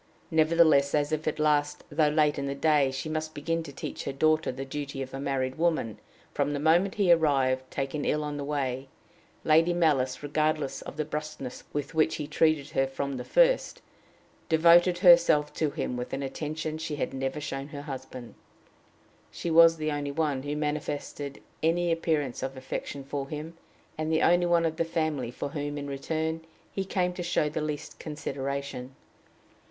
Nevertheless, as if at last, though late in the day, she must begin to teach her daughter the duty of a married woman, from the moment he arrived, taken ill on the way, Lady Malice, regardless of the brusqueness with which he treated her from the first, devoted herself to him with an attention she had never shown her husband. She was the only one who manifested any appearance of affection for him, and the only one of the family for whom, in return, he came to show the least consideration.